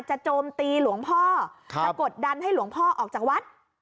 โจมตีหลวงพ่อจะกดดันให้หลวงพ่อออกจากวัด